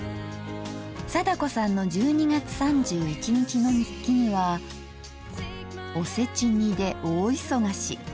貞子さんの１２月３１日の日記には「おせち煮で大忙し」。